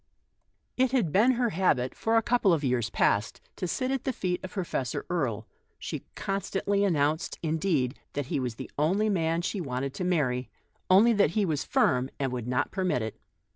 It had been her habit for a couple of years past to sit at the feet of Professor Erie ; she constantly announced, laughing, that he was the only man she ever wanted to marry, only that he was firm, and would not permit it.